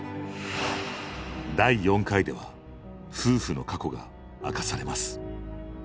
第４回では夫婦の過去が明かされます